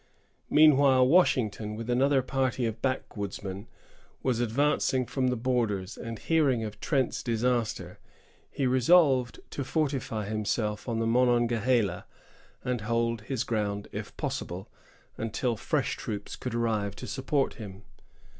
Meanwhile Washington, with another party of backwoodsmen, was advancing from the borders; and, hearing of Trent's disaster, he resolved to fortify himself on the Monongahela, and hold his ground, if possible, until fresh troops could arrive to support him.